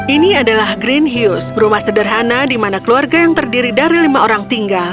ini adalah green heuse rumah sederhana di mana keluarga yang terdiri dari lima orang tinggal